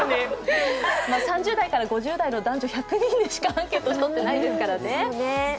３０代から５０代の男女１００人にしかアンケートを取っていないですからね。